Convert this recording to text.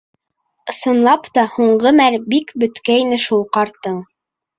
— Ысынлап та, һуңғы мәл бик бөткәйне шул ҡартың.